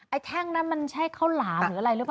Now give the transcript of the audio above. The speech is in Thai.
แท่งนั้นมันใช่ข้าวหลามหรืออะไรหรือเปล่า